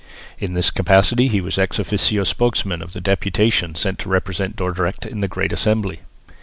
In this capacity he was ex officio spokesman of the deputation sent to represent Dordrecht in the Great Assembly.